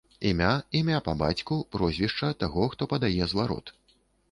Імя, імя па бацьку, прозвішча таго, хто падае зварот.